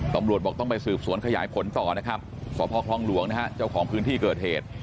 ตำรวจบอกต้องไปสืบสวนขยายผลต่อนะครับสพคลองหลวงนะฮะเจ้าของพื้นที่เกิดเหตุ